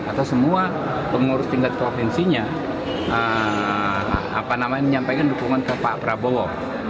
atau semua pengurus tingkat provinsinya menyampaikan dukungan ke pak prabowo